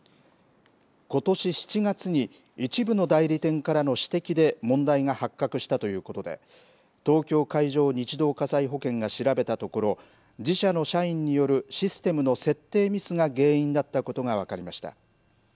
ことし７月に、一部の代理店からの指摘で問題が発覚したということで、東京海上日動火災保険が調べたところ、自社の社員によるシステムの設定ミスが原因だったことが分かりました。